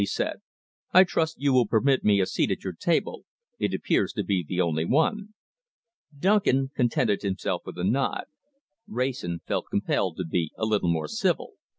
he said. "I trust you will permit me a seat at your table. It appears to be the only one." Duncan contented himself with a nod. Wrayson felt compelled to be a little more civil.